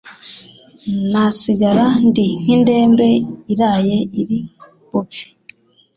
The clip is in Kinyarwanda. nasigara ndi nk’indembe iraye iri bupfe